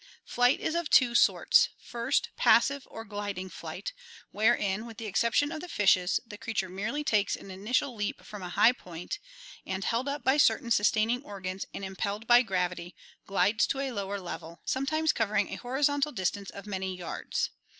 — Flight is of two sorts: first, passive or gliding flight, wherein, with the exception of the fishes, the creature merely takes an initial leap from a high point and, held up by certain sustaining organs and impelled by gravity, glides to a lower level, sometimes covering a horizontal distance of many yards.